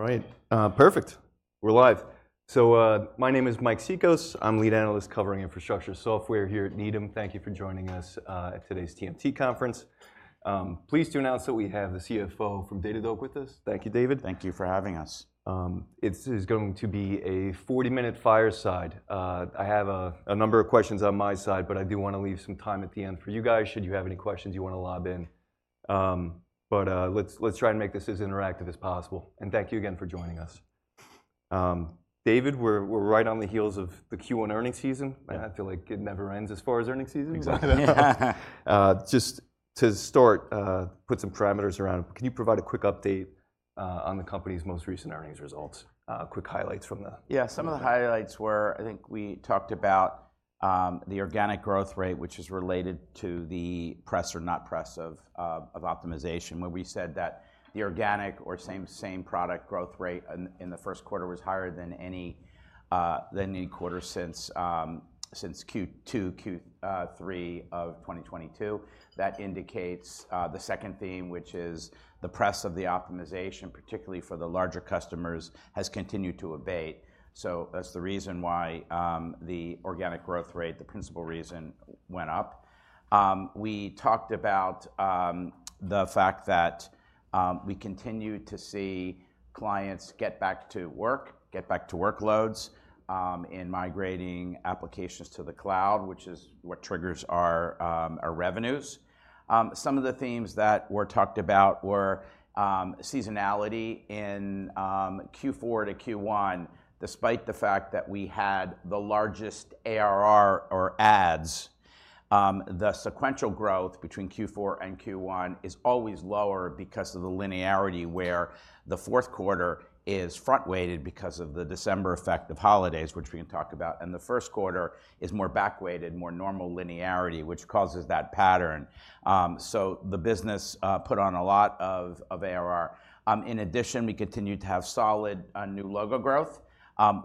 Right. Perfect. We're live. So, my name is Mike Cikos. I'm lead analyst covering infrastructure software here at Needham. Thank you for joining us at today's TMT conference. Please do announce that we have the CFO from Datadog with us. Thank you, David. Thank you for having us. It's going to be a 40-minute fireside. I have a number of questions on my side, but I do wanna leave some time at the end for you guys should you have any questions you wanna lob in. But, let's try and make this as interactive as possible. And thank you again for joining us. David, we're right on the heels of the Q1 earnings season. I feel like it never ends as far as earnings season. Exactly. Just to start, put some parameters around it. Can you provide a quick update on the company's most recent earnings results? Quick highlights from the. Yeah. Some of the highlights were, I think we talked about, the organic growth rate, which is related to the pressure or not pressure of optimization, where we said that the organic or same product growth rate in the first quarter was higher than any quarter since Q2, Q3 of 2022. That indicates the second theme, which is the pressure of the optimization, particularly for the larger customers, has continued to abate. So that's the reason why the organic growth rate, the principal reason, went up. We talked about the fact that we continue to see clients get back to work, get back to workloads, in migrating applications to the cloud, which is what triggers our revenues. Some of the themes that were talked about were seasonality in Q4 to Q1. Despite the fact that we had the largest ARR or adds, the sequential growth between Q4 and Q1 is always lower because of the linearity where the fourth quarter is front-weighted because of the December effect of holidays, which we can talk about. The first quarter is more back-weighted, more normal linearity, which causes that pattern. So the business put on a lot of ARR. In addition, we continue to have solid new logo growth.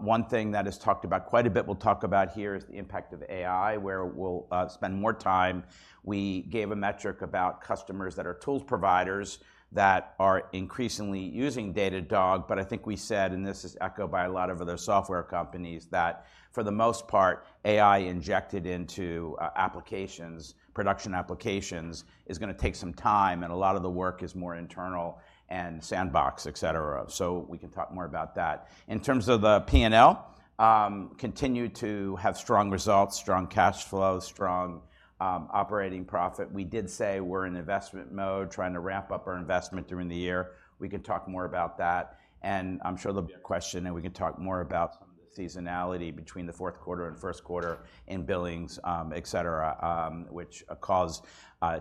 One thing that is talked about quite a bit, we'll talk about here, is the impact of AI, where we'll spend more time. We gave a metric about customers that are tool providers that are increasingly using Datadog. But I think we said, and this is echoed by a lot of other software companies, that for the most part, AI injected into applications, production applications, is gonna take some time. A lot of the work is more internal and sandbox, etc. We can talk more about that. In terms of the P&L, continue to have strong results, strong cash flow, strong operating profit. We did say we're in investment mode, trying to ramp up our investment during the year. We can talk more about that. I'm sure there'll be a question, and we can talk more about some of the seasonality between the fourth quarter and first quarter in billings, etc., which cause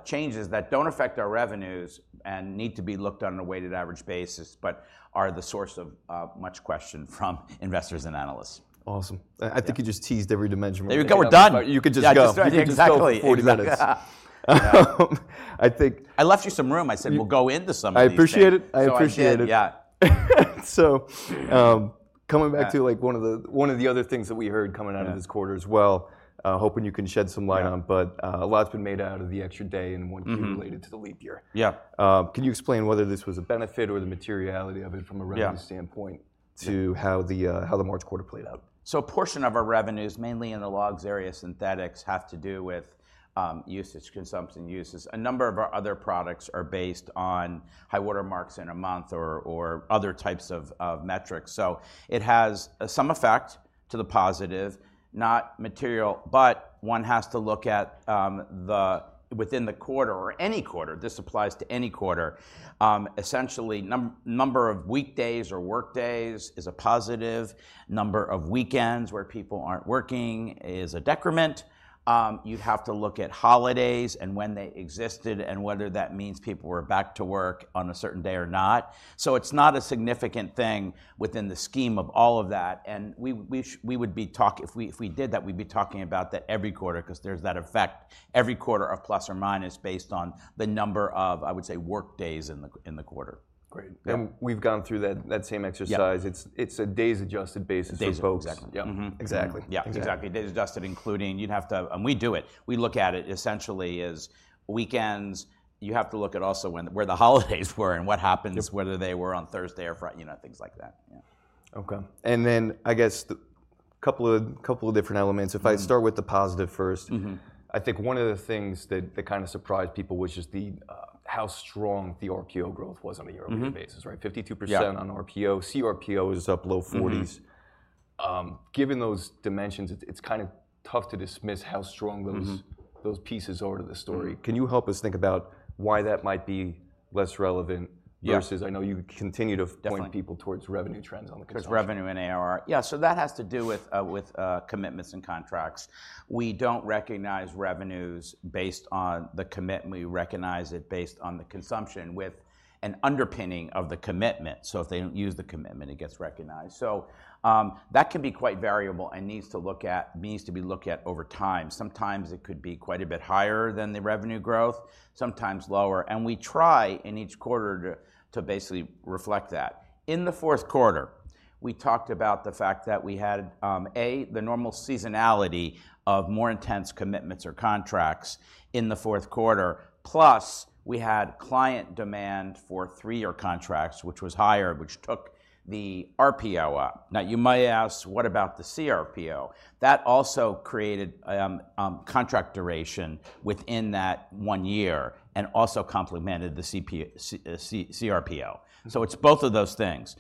changes that don't affect our revenues and need to be looked on a weighted average basis but are the source of much question from investors and analysts. Awesome. I think you just teased every dimension we're gonna go. There you go. We're done. You could just go. Yeah. Just right. Exactly. 40 minutes. I think. I left you some room. I said, "We'll go into some of these. I appreciate it. I appreciate it. So I did. Yeah. So, coming back to, like, one of the other things that we heard coming out of this quarter as well, hoping you can shed some light on. But, a lot's been made out of the extra day and 1Q related to the leap year. Can you explain whether this was a benefit or the materiality of it from a revenue standpoint to how the March quarter played out? So a portion of our revenues, mainly in the logs area, synthetics, have to do with usage, consumption, uses. A number of our other products are based on high watermarks in a month or other types of metrics. So it has some effect to the positive, not material, but one has to look at the within the quarter or any quarter. This applies to any quarter. Essentially, number of weekdays or workdays is a positive. Number of weekends where people aren't working is a decrement. You'd have to look at holidays and when they existed and whether that means people were back to work on a certain day or not. So it's not a significant thing within the scheme of all of that. And we would be talking, if we did that, we'd be talking about that every quarter 'cause there's that effect every quarter of plus or minus based on the number of, I would say, workdays in the quarter. Great. We've gone through that same exercise. It's a days-adjusted basis for folks. Days exactly. Yeah. Mm-hmm. Exactly. Yeah. Exactly. Days-adjusted, including you'd have to, and we do it. We look at it essentially as weekends. You have to look at also when, where the holidays were, and what happens. Whether they were on Thursday or Friday, you know, things like that. Yeah. Okay. And then I guess the couple of different elements. If I start with the positive first. I think one of the things that that kinda surprised people was just the how strong the RPO growth was on a yearly basis, right? 52% on RPO. CRPO is up low 40s. Given those dimensions, it's kinda tough to dismiss how strong those those pieces are to the story. Can you help us think about why that might be less relevant versus I know you continue to point people towards revenue trends on the consumption? Revenue and ARR. Yeah. So that has to do with, with, commitments and contracts. We don't recognize revenues based on the commitment. We recognize it based on the consumption with an underpinning of the commitment. So if they don't use the commitment, it gets recognized. So, that can be quite variable and needs to be looked at over time. Sometimes it could be quite a bit higher than the revenue growth, sometimes lower. And we try in each quarter to basically reflect that. In the fourth quarter, we talked about the fact that we had, A, the normal seasonality of more intense commitments or contracts in the fourth quarter, plus we had client demand for three-year contracts, which was higher, which took the RPO up. Now, you might ask, "What about the CRPO?" That also created contract duration within that one year and also complemented the CRPO. So it's both of those things.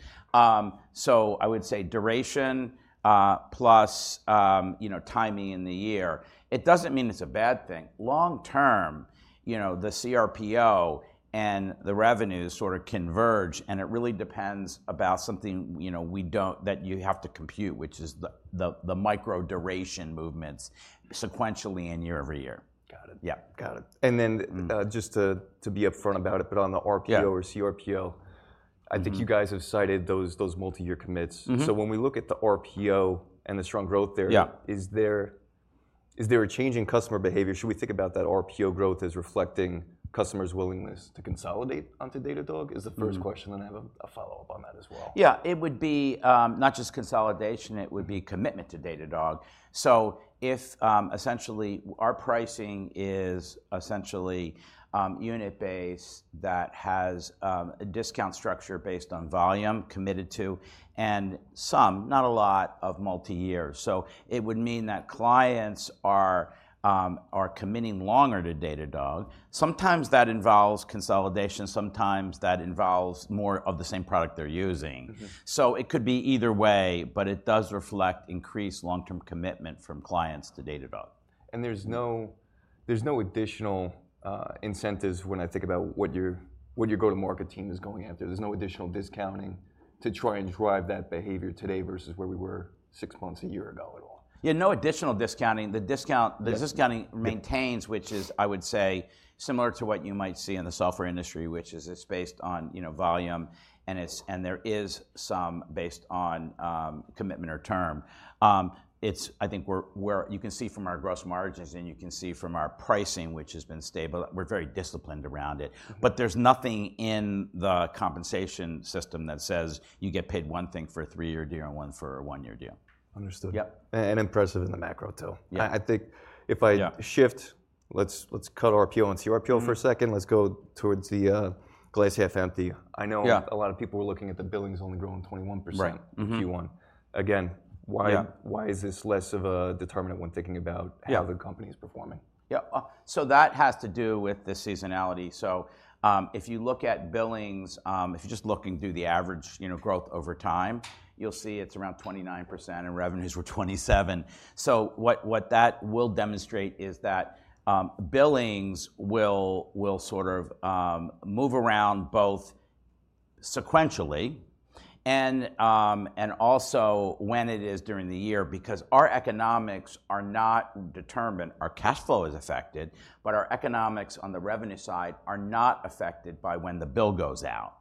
So I would say duration, plus, you know, timing in the year. It doesn't mean it's a bad thing. Long-term, you know, the CRPO and the revenues sort of converge. And it really depends about something, you know, we don't, that you have to compute, which is the micro duration movements sequentially and year-over-year. Got it. Got it. And then, just to be upfront about it, but on the RPO or CRPO. I think you guys have cited those multi-year commits. When we look at the RPO and the strong growth there. Is there a change in customer behavior? Should we think about that RPO growth as reflecting customers' willingness to consolidate onto Datadog? Is the first question. I have a follow-up on that as well. Yeah. It would be, not just consolidation. It would be commitment to Datadog. So if, essentially, our pricing is essentially unit-based that has a discount structure based on volume committed to and some, not a lot, of multi-years. So it would mean that clients are committing longer to Datadog. Sometimes that involves consolidation. Sometimes that involves more of the same product they're using. It could be either way, but it does reflect increased long-term commitment from clients to Datadog. There's no additional incentives when I think about what your go-to-market team is going after. There's no additional discounting to try and drive that behavior today versus where we were six months, a year ago at all. Yeah. No additional discounting. The discount. The discounting maintains, which is, I would say, similar to what you might see in the software industry, which is it's based on, you know, volume. And there is some based on commitment or term. I think we're, you can see from our gross margins, and you can see from our pricing, which has been stable. We're very disciplined around it. But there's nothing in the compensation system that says, "You get paid one thing for a three-year deal and one for a one-year deal." Understood. And impressive in the macro too. Yeah. I think if I. Yeah. Let's shift. Let's cut RPO and CRPO for a second. Let's go towards the glass half empty. I know a lot of people were looking at the billings only growing 21%. Right. Mm-hmm. In Q1. Again, why why is this less of a determinant when thinking about how the company's performing? Yeah. So that has to do with the seasonality. So, if you look at billings, if you're just looking through the average, you know, growth over time, you'll see it's around 29%, and revenues were 27%. So what that will demonstrate is that, billings will sort of, move around both sequentially and, and also when it is during the year because our economics are not determined. Our cash flow is affected, but our economics on the revenue side are not affected by when the bill goes out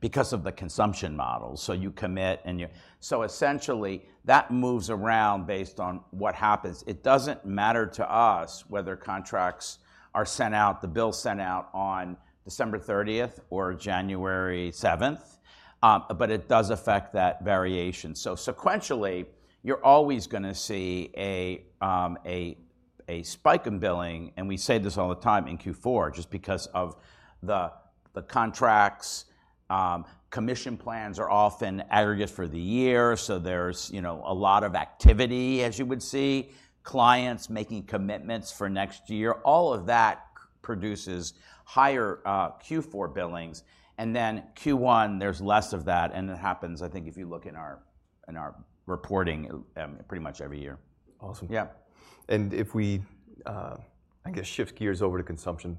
because of the consumption model. So you commit, and you. So essentially, that moves around based on what happens. It doesn't matter to us whether contracts are sent out, the bills sent out on December 30th or January 7th, but it does affect that variation. So sequentially, you're always gonna see a spike in billing. We say this all the time in Q4 just because of the contracts commission plans are often aggregates for the year. So there's, you know, a lot of activity, as you would see, clients making commitments for next year. All of that produces higher Q4 billings. And then Q1, there's less of that. And it happens, I think, if you look in our reporting, pretty much every year. Awesome. If we, I guess, shift gears over to consumption.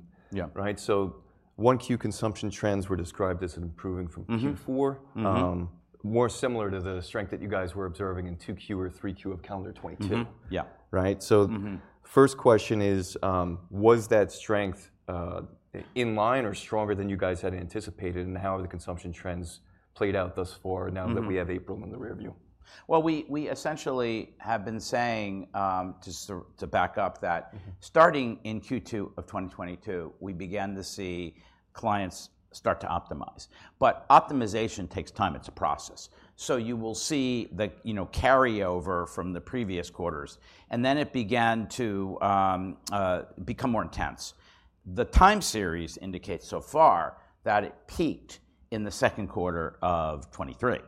Right? So 1Q consumption trends were described as improving from Q4 more similar to the strength that you guys were observing in 2Q or 3Q of calendar 2022. Right? So. First question is, was that strength in line or stronger than you guys had anticipated? And how have the consumption trends played out thus far now that we have April in the review? Well, we essentially have been saying, to back up that. Starting in Q2 of 2022, we began to see clients start to optimize. But optimization takes time. It's a process. So you will see the, you know, carryover from the previous quarters. And then it began to become more intense. The time series indicates so far that it peaked in the second quarter of 2023.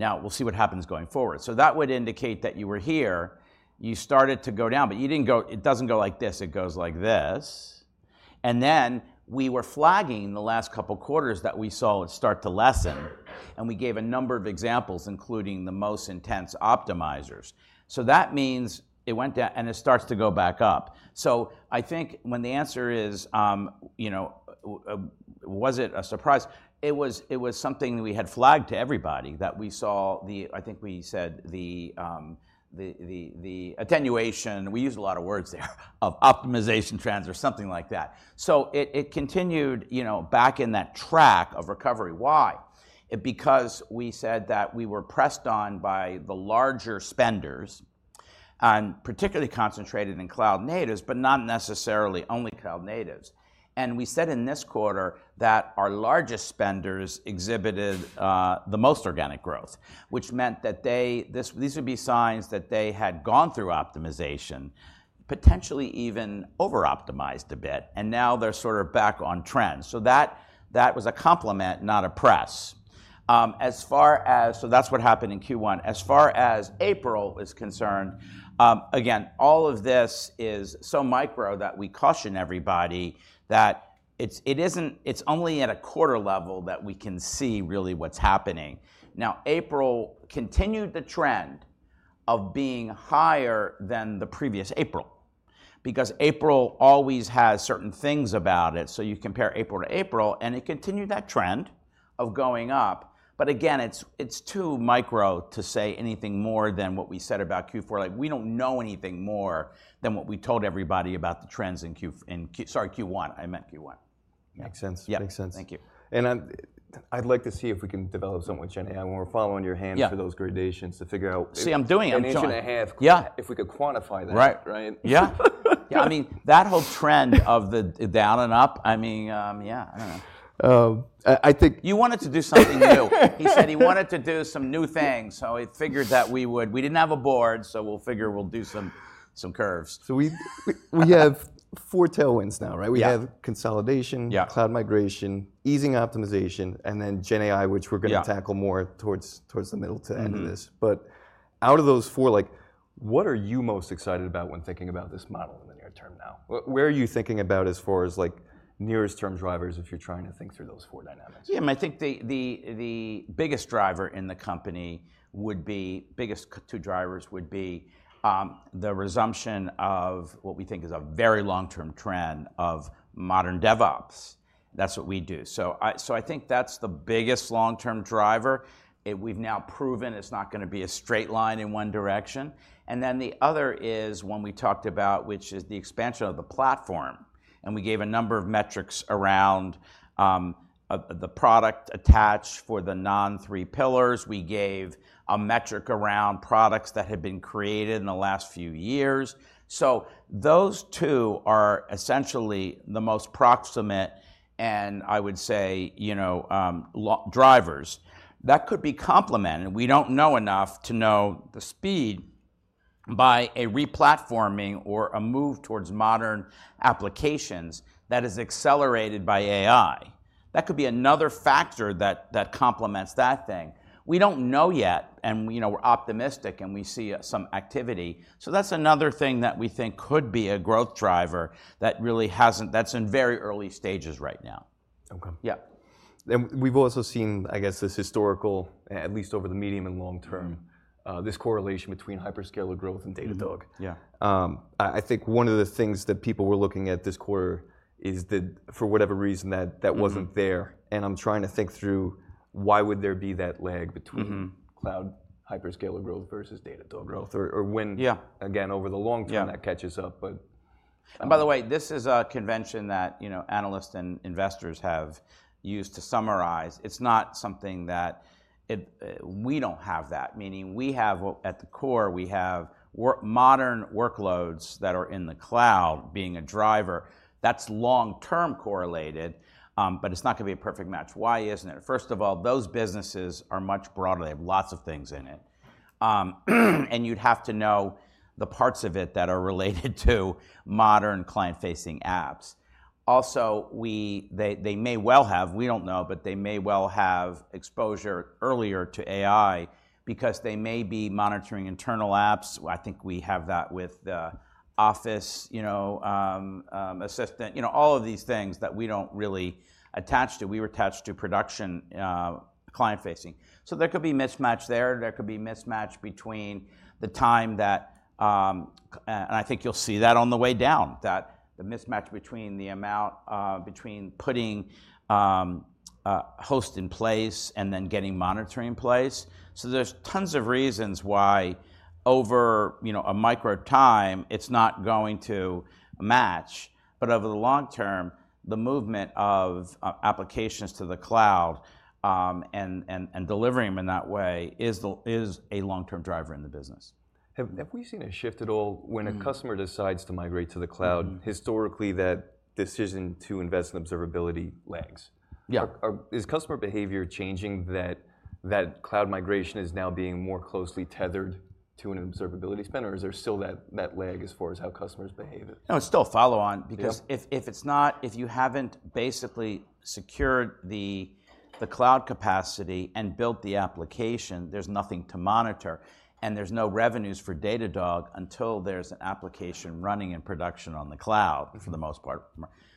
Now, we'll see what happens going forward. So that would indicate that you were here. You started to go down, but you didn't go. It doesn't go like this. It goes like this. And then we were flagging the last couple quarters that we saw it start to lessen. And we gave a number of examples, including the most intense optimizers. So that means it went down, and it starts to go back up. So I think when the answer is, you know, was it a surprise? It was something that we had flagged to everybody that we saw, I think we said the attenuation. We used a lot of words there, of optimization trends or something like that. So it continued, you know, back in that track of recovery. Why? Because we said that we were pressed on by the larger spenders, particularly concentrated in cloud natives but not necessarily only cloud natives. And we said in this quarter that our largest spenders exhibited the most organic growth, which meant that these would be signs that they had gone through optimization, potentially even over-optimized a bit. And now they're sort of back on trend. So that was a compliment, not a press. As far as, so that's what happened in Q1. As far as April is concerned, again, all of this is so micro that we caution everybody that it's only at a quarter level that we can see really what's happening. Now, April continued the trend of being higher than the previous April because April always has certain things about it. So you compare April to April, and it continued that trend of going up. But again, it's too micro to say anything more than what we said about Q4. Like, we don't know anything more than what we told everybody about the trends in Q1. I meant Q1. Yeah. Makes sense. Makes sense. Yeah. Thank you. I'd like to see if we can develop something with GenAI when we're following your hand. For those gradations to figure out. See, I'm doing it. I'm trying. 1.5 inches. Yeah. If we could quantify that. Right. Right? Yeah. Yeah. I mean, that whole trend of the down and up, I mean, yeah. I don't know. I think. You wanted to do something new. He said he wanted to do some new things. So he figured that we didn't have a board, so we'll figure we'll do some curves. So we have four tailwinds now, right? Yeah. We have consolidation, cloud migration, easing optimization, and then GenAI, which we're gonna tackle more towards the middle to end of this. But out of those four, like, what are you most excited about when thinking about this model in the near-term now? What, where are you thinking about as far as, like, nearest-term drivers if you're trying to think through those four dynamics? Yeah. I mean, I think the biggest driver in the company would be, the biggest two drivers would be the resumption of what we think is a very long-term trend of modern DevOps. That's what we do. So I think that's the biggest long-term driver. We've now proven it's not gonna be a straight line in one direction. And then the other is one we talked about, which is the expansion of the platform. And we gave a number of metrics around the product attached for the non-three pillars. We gave a metric around products that had been created in the last few years. So those two are essentially the most proximate and, I would say, you know, key drivers that could be complemented. We don't know enough to know the speed by a replatforming or a move towards modern applications that is accelerated by AI. That could be another factor that complements that thing. We don't know yet. You know, we're optimistic, and we see some activity. So that's another thing that we think could be a growth driver that really hasn't. That's in very early stages right now. Okay. We've also seen, I guess, this historical, at least over the medium and long-term, this correlation between hyperscaler growth and Datadog. I think one of the things that people were looking at this quarter is that, for whatever reason, that that wasn't there. I'm trying to think through why would there be that lag between cloud hyperscaler growth versus Datadog growth, or when again, over the long-term, that catches up, but. And by the way, this is a convention that, you know, analysts and investors have used to summarize. It's not something that we don't have that, meaning at the core, we have modern workloads that are in the cloud being a driver. That's long-term correlated, but it's not gonna be a perfect match. Why isn't it? First of all, those businesses are much broader. They have lots of things in it, and you'd have to know the parts of it that are related to modern client-facing apps. Also, they may well have—we don't know—but they may well have exposure earlier to AI because they may be monitoring internal apps. I think we have that with the office, you know, assistant, you know, all of these things that we don't really attach to. We were attached to production, client-facing. So there could be mismatch there. There could be mismatch between the time that, and I think you'll see that on the way down, that the mismatch between the amount, between putting host in place and then getting monitoring in place. So there's tons of reasons why, over, you know, a micro time, it's not going to match. But over the long-term, the movement of applications to the cloud, and delivering them in that way is a long-term driver in the business. Have we seen a shift at all when a customer decides to migrate to the cloud? Historically, that decision to invest in observability lags. Is customer behavior changing, that cloud migration is now being more closely tethered to an observability spend, or is there still that lag as far as how customers behave? No, it's still a follow-on because. If you haven't basically secured the cloud capacity and built the application, there's nothing to monitor. And there's no revenues for Datadog until there's an application running in production on the cloud for the most part.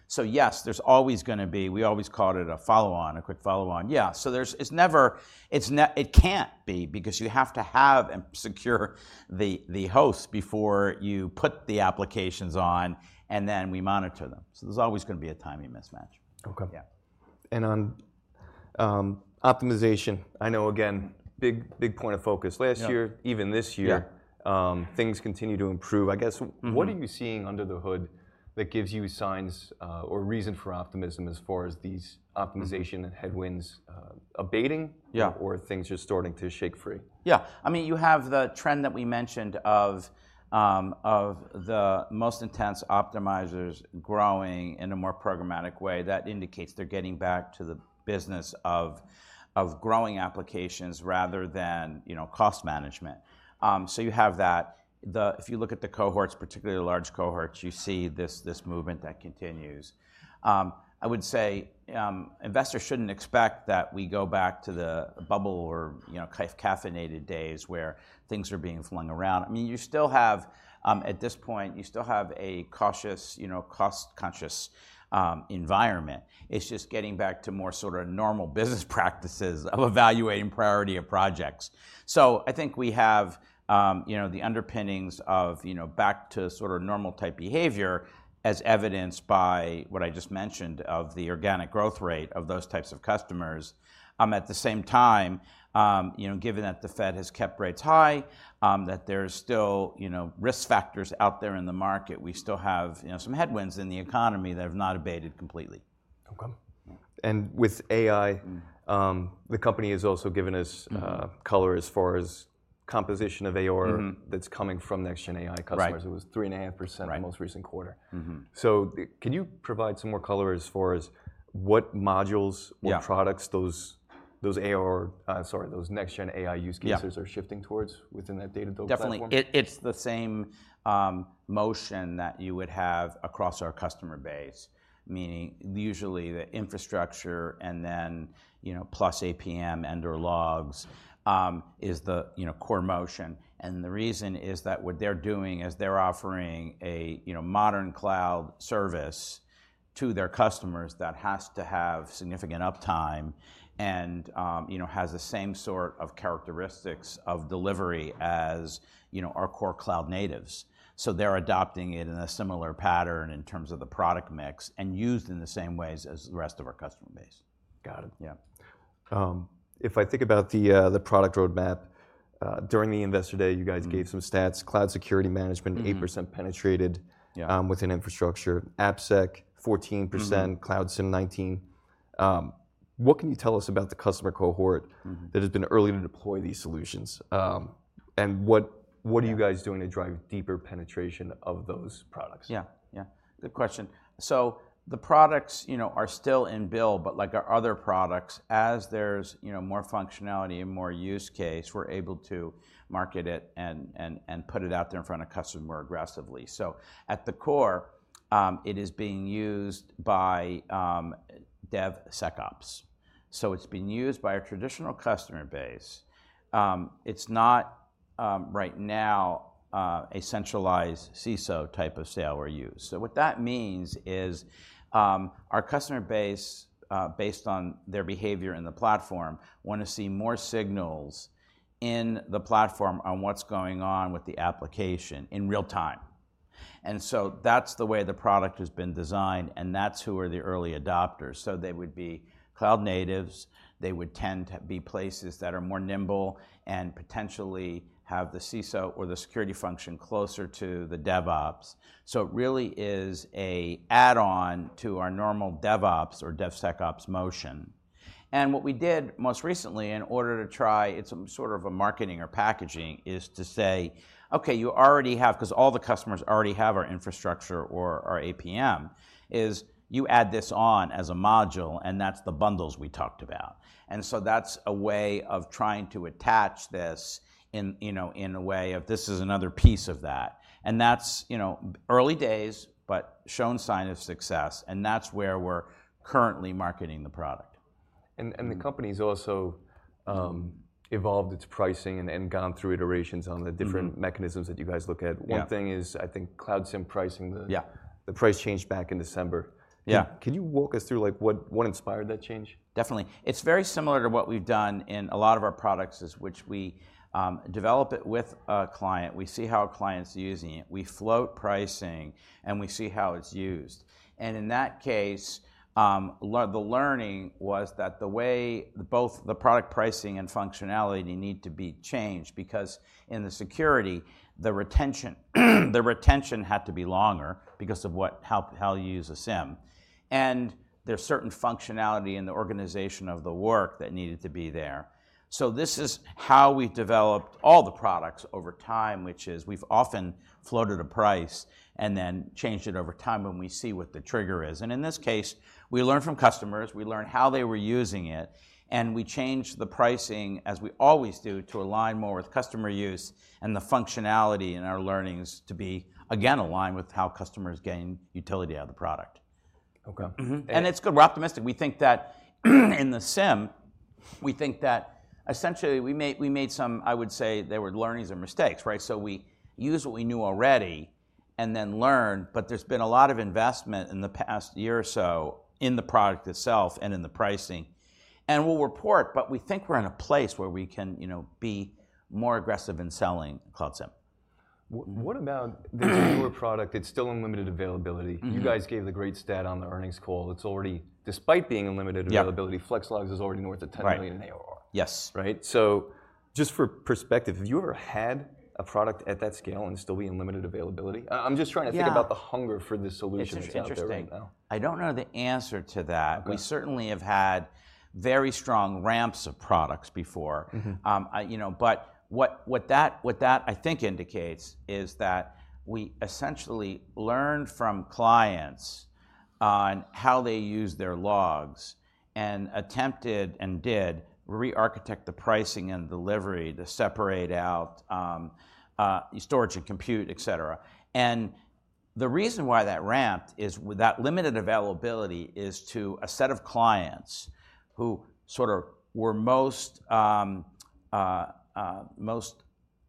So yes, there's always gonna be, we always called it a follow-on, a quick follow-on. Yeah. So, it's never. It can't be because you have to have and secure the host before you put the applications on, and then we monitor them. So there's always gonna be a timing mismatch. Okay. On optimization, I know, again, big, big point of focus last year, even this year, things continue to improve. I guess, what are you seeing under the hood that gives you signs, or reason for optimism as far as these optimization headwinds, abating? Or things are starting to shake free? Yeah. I mean, you have the trend that we mentioned of the most intense optimizers growing in a more programmatic way. That indicates they're getting back to the business of growing applications rather than, you know, cost management. So you have that. Then, if you look at the cohorts, particularly the large cohorts, you see this movement that continues. I would say, investors shouldn't expect that we go back to the bubble or, you know, caffeinated days where things are being flung around. I mean, you still have, at this point, you still have a cautious, you know, cost-conscious environment. It's just getting back to more sort of normal business practices of evaluating priority of projects. So I think we have, you know, the underpinnings of, you know, back to sort of normal-type behavior as evidenced by what I just mentioned of the organic growth rate of those types of customers. At the same time, you know, given that the Fed has kept rates high, that there's still, you know, risk factors out there in the market, we still have, you know, some headwinds in the economy that have not abated completely. Okay. With AI, the company has also given us color as far as composition of ARR. That's coming from next-gen AI customers. Right. It was 3.5%. Right. Most recent quarter. So, can you provide some more color as far as what modules, what products are those next-gen AI use cases are shifting towards within that Datadog platform? Definitely. It's the same motion that you would have across our customer base, meaning usually the infrastructure and then, you know, plus APM and/or logs, is the, you know, core motion. And the reason is that what they're doing is they're offering a, you know, modern cloud service to their customers that has to have significant uptime and, you know, has the same sort of characteristics of delivery as, you know, our core cloud natives. So they're adopting it in a similar pattern in terms of the product mix and used in the same ways as the rest of our customer base. Got it. If I think about the product roadmap, during the Investor Day, you guys gave some stats. Cloud Security Management 8% penetrated within infrastructure. AppSec 14%. Cloud SIEM 19%. What can you tell us about the customer cohort who has been early to deploy these solutions? And what are you guys doing to drive deeper penetration of those products? Yeah. Yeah. Good question. So the products, you know, are still in build, but, like, our other products, as there's, you know, more functionality and more use case, we're able to market it and and and put it out there in front of customers more aggressively. So at the core, it is being used by DevSecOps. So it's been used by our traditional customer base. It's not, right now, a centralized CISO type of sale or use. So what that means is, our customer base, based on their behavior in the platform, wanna see more signals in the platform on what's going on with the application in real-time. And so that's the way the product has been designed, and that's who are the early adopters. So they would be cloud natives. They would tend to be places that are more nimble and potentially have the CISO or the security function closer to the DevOps. So it really is an add-on to our normal DevOps or DevSecOps motion. And what we did most recently in order to try, it's sort of a marketing or packaging, is to say, "Okay, you already have 'cause all the customers already have our infrastructure or our APM, is you add this on as a module, and that's the bundles we talked about." And so that's a way of trying to attach this in, you know, in a way of this is another piece of that. And that's, you know, early days, but shown signs of success. And that's where we're currently marketing the product. The company has also evolved its pricing and gone through iterations on the different. Mechanisms that you guys look at. One thing is, I think, Cloud SIEM pricing. The price changed back in December. Can you walk us through, like, what inspired that change? Definitely. It's very similar to what we've done in a lot of our products, which we develop it with a client. We see how clients are using it. We float pricing, and we see how it's used. And in that case, the learning was that the way both the product pricing and functionality need to be changed because in the security, the retention had to be longer because of how you use a SIEM. And there's certain functionality in the organization of the work that needed to be there. So this is how we've developed all the products over time, which is we've often floated a price and then changed it over time when we see what the trigger is. And in this case, we learned from customers. We learned how they were using it. We changed the pricing, as we always do, to align more with customer use and the functionality and our learnings to be, again, aligned with how customers gain utility out of the product. Okay. It's good. We're optimistic. We think that in the SIEM, we think that essentially, we made some I would say there were learnings and mistakes, right? So we used what we knew already and then learned. But there's been a lot of investment in the past year or so in the product itself and in the pricing. And we'll report, but we think we're in a place where we can, you know, be more aggressive in selling Cloud SIEM. What about this newer product? It's still unlimited availability. You guys gave the great stat on the earnings call. It's already despite being unlimited. Availability, Flex Logs is already north of $10 million. Right. In ARR. Yes. Right? So just for perspective, have you ever had a product at that scale and still be in limited availability? I'm just trying to think about the hunger for the solution that you have right now. It's interesting. I don't know the answer to that. Okay. We certainly have had very strong ramps of products before. You know, but what that, I think, indicates is that we essentially learned from clients on how they use their logs and attempted and did re-architect the pricing and delivery to separate out storage and compute, etc. And the reason why that ramped is that limited availability is to a set of clients who sort of were most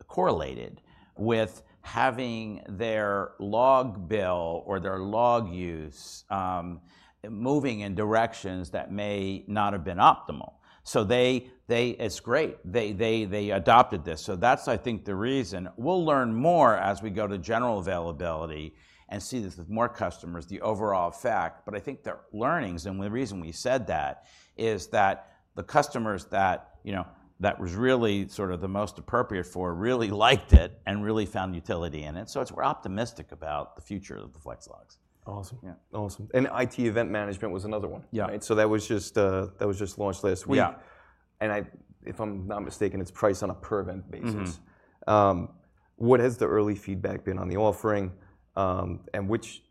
correlated with having their log bill or their log use moving in directions that may not have been optimal. So they, it's great. They adopted this. So that's, I think, the reason. We'll learn more as we go to general availability and see this with more customers, the overall fact. I think the learnings and the reason we said that is that the customers that, you know, that was really sort of the most appropriate for really liked it and really found utility in it. We're optimistic about the future of the Flex Logs. Awesome. Awesome. And IT Event Management was another one. Yeah. Right? So that was just launched last week. Yeah. If I'm not mistaken, it's priced on a per-event basis. What has the early feedback been on the offering, and which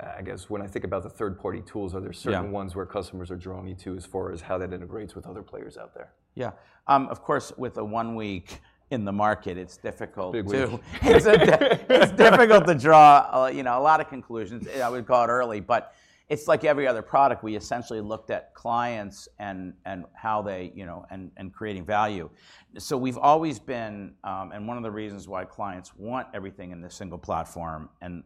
I guess, when I think about the third-party tools, are there certain ones where customers are drawing you to as far as how that integrates with other players out there? Yeah. Of course, with a one-week in the market, it's difficult to. Big week. It's difficult to draw, you know, a lot of conclusions. I would call it early. But it's like every other product. We essentially looked at clients and how they, you know, creating value. So we've always been, and one of the reasons why clients want everything in this single platform and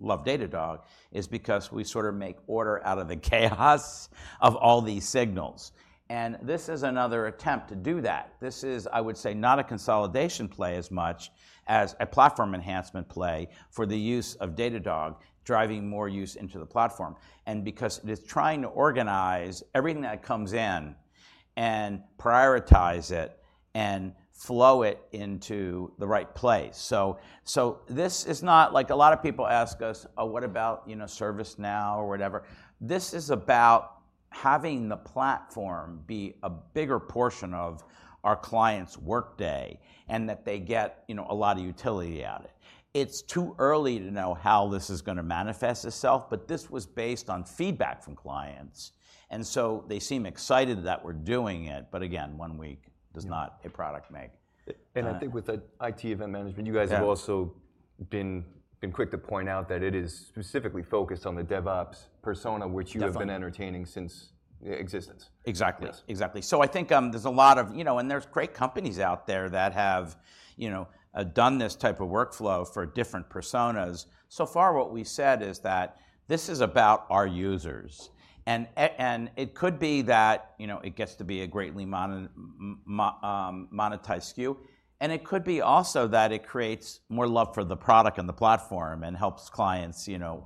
love Datadog is because we sort of make order out of the chaos of all these signals. And this is another attempt to do that. This is, I would say, not a consolidation play as much as a platform enhancement play for the use of Datadog driving more use into the platform and because it is trying to organize everything that comes in and prioritize it and flow it into the right place. So this is not like a lot of people ask us, "Oh, what about, you know, ServiceNow or whatever?" This is about having the platform be a bigger portion of our clients' workday and that they get, you know, a lot of utility out of it. It's too early to know how this is gonna manifest itself, but this was based on feedback from clients. And so they seem excited that we're doing it. But again, one week does not a product make. I think with the IT Event Management, you guys have also been quick to point out that it is specifically focused on the DevOps persona, which you have been. Definitely. Entertaining since existence. Exactly. Exactly. So I think, there's a lot of you know, and there's great companies out there that have, you know, done this type of workflow for different personas. So far, what we've said is that this is about our users. And and it could be that, you know, it gets to be a greatly monetized SKU. And it could be also that it creates more love for the product and the platform and helps clients, you know,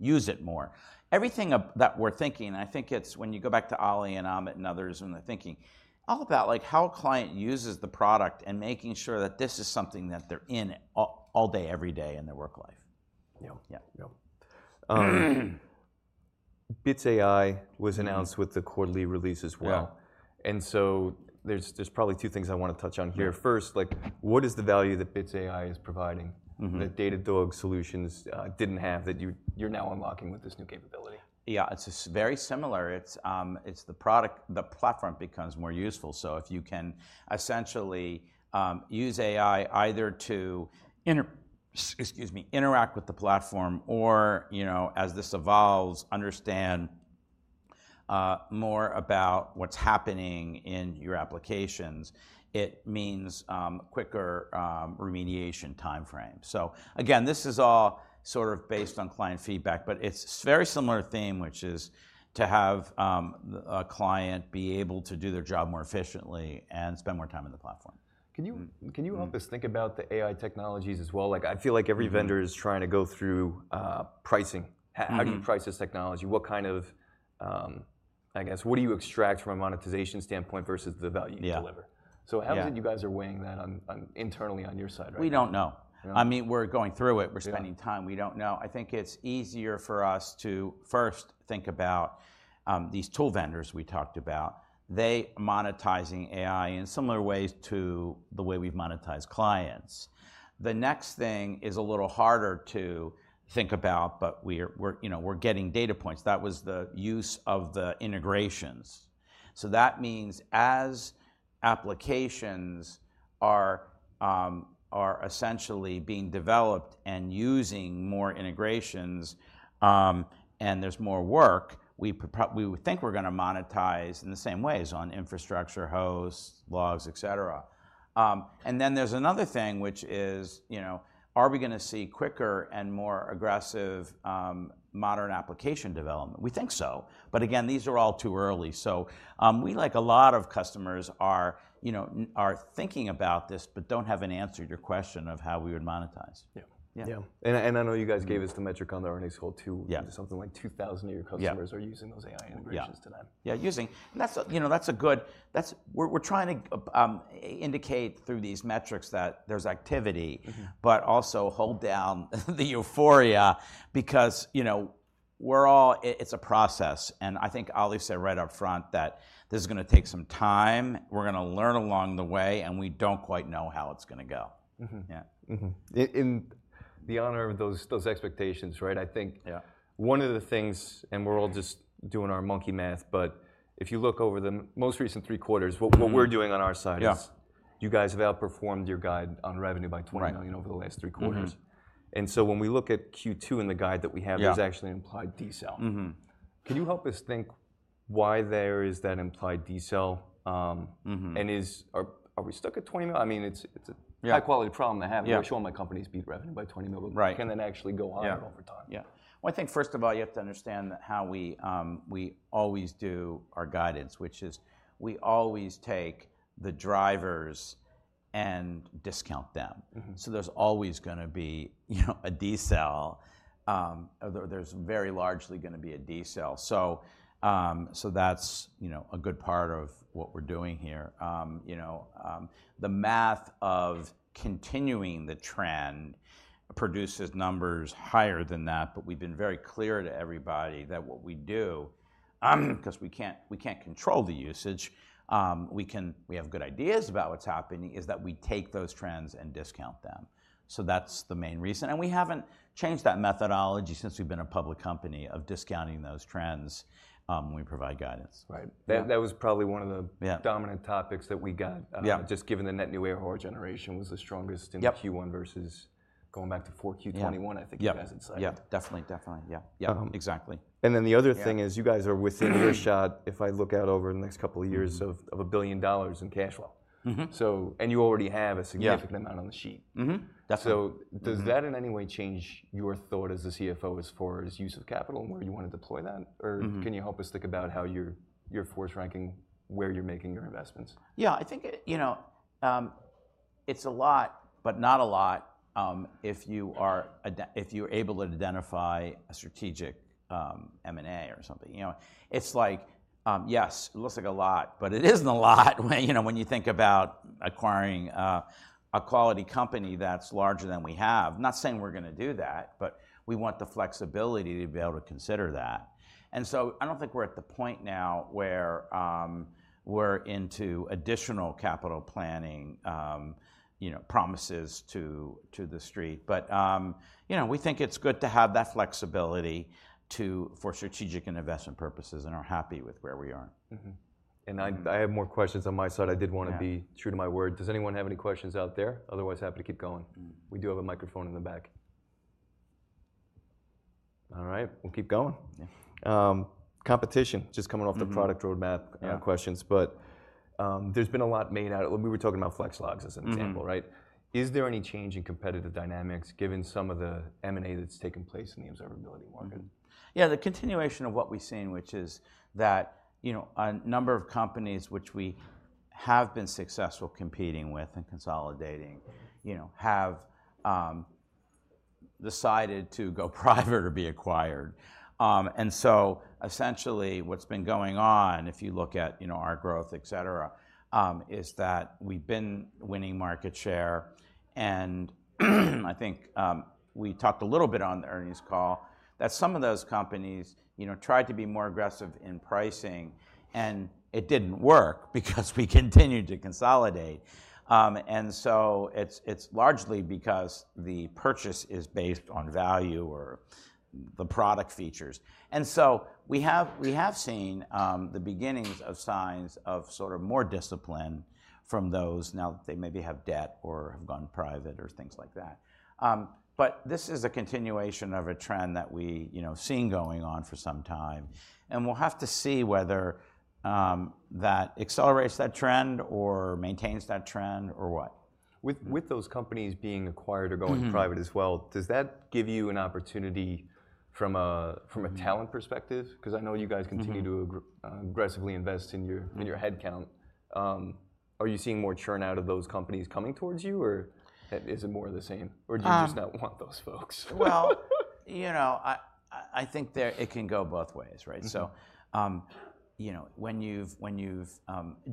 use it more. Everything that we're thinking and I think it's when you go back to Ollie and Amit and others and the thinking, all about, like, how a client uses the product and making sure that this is something that they're in all day, every day in their work life. Yeah. Yeah. Yeah. Bits AI was announced with the quarterly release as well. Yeah. And so there's probably two things I wanna touch on here. First, like, what is the value that Bits AI is providing that Datadog solutions didn't have that you you're now unlocking with this new capability? Yeah. It's just very similar. It's the product the platform becomes more useful. So if you can essentially use AI either to interact with the platform or, you know, as this evolves, understand more about what's happening in your applications, it means quicker remediation timeframe. So again, this is all sort of based on client feedback, but it's very similar theme, which is to have a client be able to do their job more efficiently and spend more time in the platform. Can you help us think about the AI technologies as well? Like, I feel like every vendor is trying to go through, pricing. How do you price this technology? What kind of, I guess, what do you extract from a monetization standpoint versus the value you deliver? So how is it you guys are weighing that internally on your side, right? We don't know. No? I mean, we're going through it. We're spending time. We don't know. I think it's easier for us to first think about these tool vendors we talked about. They are monetizing AI in similar ways to the way we've monetized clients. The next thing is a little harder to think about, but we are, you know, we're getting data points. That was the use of the integrations. So that means as applications are essentially being developed and using more integrations, and there's more work, we would think we're gonna monetize in the same ways on infrastructure, hosts, logs, etc. And then there's another thing, which is, you know, are we gonna see quicker and more aggressive modern application development? We think so. But again, these are all too early. So, we, like a lot of customers, you know, are thinking about this but don't have an answer to your question of how we would monetize. Yeah. Yeah. And I know you guys gave us the metric on the earnings call too. Something like 2,000 of your customers are using those AI integrations today. Yeah. Yeah. And that's a, you know, that's a good. We're trying to indicate through these metrics that there's activity. But also hold down the euphoria because, you know, we're all—it's a process. And I think Ollie said right up front that this is gonna take some time. We're gonna learn along the way, and we don't quite know how it's gonna go. Mm-hmm. In the honor of those expectations, right, I think. One of the things, and we're all just doing our monkey math, but if you look over the most recent three quarters, what we're doing on our side is you guys have outperformed your guide on revenue by $20 million? Right. Over the last three quarters. And so when we look at Q2 in the guide that we have, there's actually an implied decel. Can you help us think why there is that implied decel? Are we stuck at $20 million? I mean, it's a high-quality problem to have. We're sure my company's beat revenue by $20 million. Right. But can that actually go on over time?https://editor.inflexiontranscribe.com/static/media/icon-play.39003f0a4baacd961cc853b952165cc5.svg Yeah. Well, I think first of all, you have to understand that how we, we always do our guidance, which is we always take the drivers and discount them. So there's always gonna be, you know, a decel, or very largely gonna be a decel. So that's, you know, a good part of what we're doing here. You know, the math of continuing the trend produces numbers higher than that, but we've been very clear to everybody that what we do, 'cause we can't control the usage, we can have good ideas about what's happening, is that we take those trends and discount them. So that's the main reason. We haven't changed that methodology since we've been a public company of discounting those trends, when we provide guidance. Right. That was probably one of the dominant topics that we got just given the net new ARR generation was the strongest in Q1 versus going back to 4Q 2021. I think you guys had cited. Yeah. Definitely. Definitely. Yeah. Yeah. Exactly. And then the other thing is you guys are within earshot, if I look out over the next couple of years, of $1 billion in cash flow, you already have a significant amount on the sheet. Mm-hmm. Definitely. Does that in any way change your thought as a CFO as far as use of capital and where you wanna deploy that? Or can you help us think about how you're force-ranking where you're making your investments? Yeah. I think, you know, it's a lot but not a lot if you're able to identify a strategic M&A or something. You know, it's like, yes, it looks like a lot, but it isn't a lot when, you know, when you think about acquiring a quality company that's larger than we have. Not saying we're gonna do that, but we want the flexibility to be able to consider that. And so I don't think we're at the point now where we're into additional capital planning, you know, promises to the street. But, you know, we think it's good to have that flexibility for strategic and investment purposes and are happy with where we are. Mm-hmm. And I have more questions on my side. I did wanna be true to my word. Does anyone have any questions out there? Otherwise, happy to keep going. We do have a microphone in the back. All right. We'll keep going. Competition, just coming off the product roadmap questions. But, there's been a lot made out of, well, we were talking about Flex Logs as an example, right? Is there any change in competitive dynamics given some of the M&A that's taken place in the observability market? Mm-hmm. Yeah. The continuation of what we've seen, which is that, you know, a number of companies, which we have been successful competing with and consolidating, you know, have decided to go private or be acquired. So essentially, what's been going on, if you look at, you know, our growth, etc., is that we've been winning market share. And I think, we talked a little bit on the earnings call that some of those companies, you know, tried to be more aggressive in pricing, and it didn't work because we continued to consolidate. So it's largely because the purchase is based on value or the product features. And so we have seen the beginnings of signs of sort of more discipline from those. Now, they maybe have debt or have gone private or things like that. This is a continuation of a trend that we, you know, have seen going on for some time. And we'll have to see whether that accelerates that trend or maintains that trend or what? With those companies being acquired or going private as well, does that give you an opportunity from a talent perspective? 'Cause I know you guys continue to aggressively invest in your headcount. Are you seeing more churn out of those companies coming towards you, or is it more of the same? Or do you just not want those folks? Well, you know, I think there it can go both ways, right? So, you know, when you've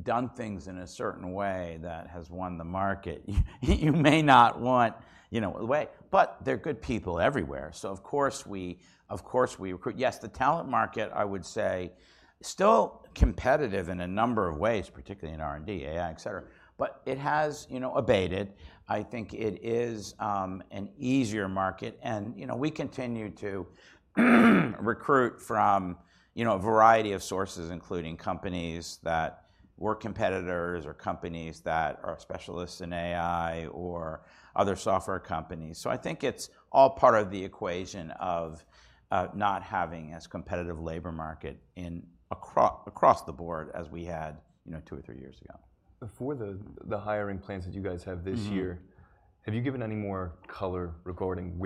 done things in a certain way that has won the market, you may not want, you know, away. But they're good people everywhere. So of course, we recruit. Yes, the talent market, I would say, is still competitive in a number of ways, particularly in R&D, AI, etc., but it has, you know, abated. I think it is an easier market. And, you know, we continue to recruit from, you know, a variety of sources, including companies that were competitors or companies that are specialists in AI or other software companies. So I think it's all part of the equation of not having as competitive labor market across the board as we had, you know, two or three years ago. Before the hiring plans that you guys have this year. Have you given any more color regarding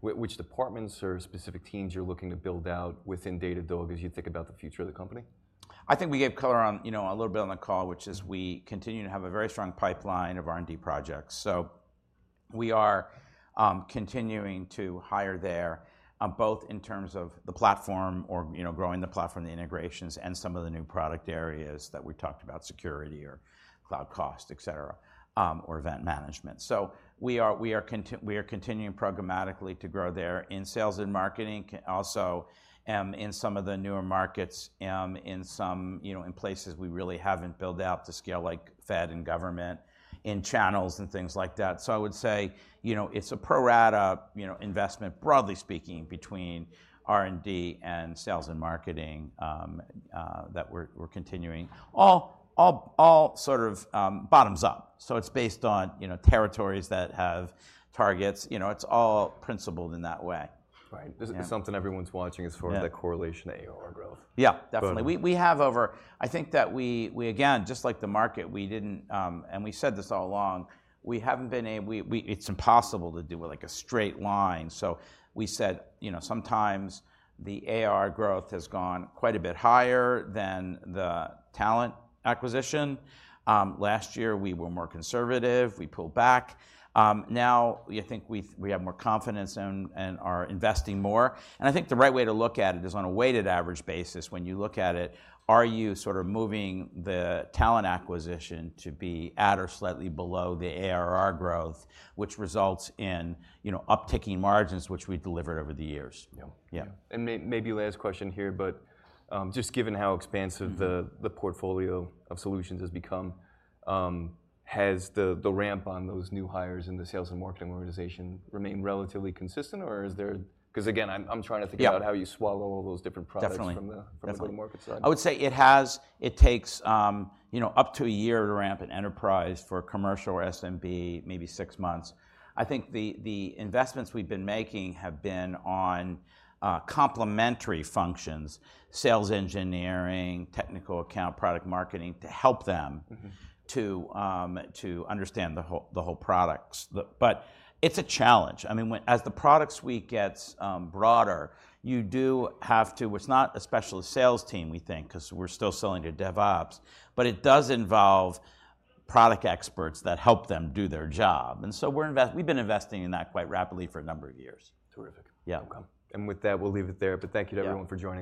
which departments or specific teams you're looking to build out within Datadog as you think about the future of the company? I think we gave color on, you know, a little bit on the call, which is we continue to have a very strong pipeline of R&D projects. So we are continuing to hire there, both in terms of the platform or, you know, growing the platform, the integrations, and some of the new product areas that we've talked about, security or cloud cost, etc., or event management. So we are continuing programmatically to grow there in sales and marketing, also, in some of the newer markets, in some you know, in places we really haven't built out to scale like Fed and government, in channels and things like that. So I would say, you know, it's a pro rata, you know, investment, broadly speaking, between R&D and sales and marketing, that we're continuing, all sort of bottoms up. It's based on, you know, territories that have targets. You know, it's all principled in that way. Right. Is it something everyone's watching as far as that correlation to ARR growth? Yeah. Definitely. Okay. We have over, I think that we again, just like the market, we didn't, and we said this all along, we haven't been able, it's impossible to do with, like, a straight line. So we said, you know, sometimes the ARR growth has gone quite a bit higher than the talent acquisition. Last year, we were more conservative. We pulled back. Now, I think we have more confidence in and are investing more. And I think the right way to look at it is on a weighted average basis. When you look at it, are you sort of moving the talent acquisition to be at or slightly below the ARR growth, which results in, you know, upticking margins, which we've delivered over the years? Yeah. Maybe last question here, but just given how expansive the portfolio of solutions has become, has the ramp on those new hires in the sales and marketing organization remained relatively consistent, or is there—'cause again, I'm trying to think about how you swallow all those different products? Definitely. From the market side. I would say it takes, you know, up to a year to ramp an enterprise for a commercial or SMB, maybe six months. I think the investments we've been making have been on complementary functions, sales engineering, technical account, product marketing, to help them to understand the whole products. But it's a challenge. I mean, when as the products we get broader, you do have to. It's not a specialist sales team, we think, 'cause we're still selling to DevOps, but it does involve product experts that help them do their job. And so we've been investing in that quite rapidly for a number of years. Terrific outcome. Yeah. With that, we'll leave it there. Thank you to everyone for joining.